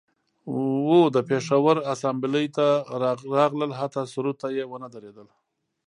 و د پیښور اسامبلۍ ته راغلل حتی سرود ته یې ونه دریدل